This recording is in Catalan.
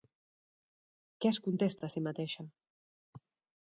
Què es contesta a si mateixa?